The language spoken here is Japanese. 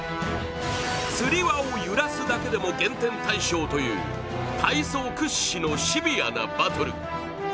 つり輪を揺らすだけでも減点対象という体操屈指のシビアなバトル。